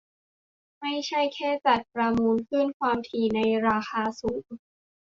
ไม่ใช่แค่จัดประมูลคลื่นความถี่ในราคาสูง